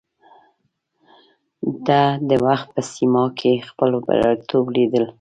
ده د وخت په سپما کې خپل برياليتوب ليد.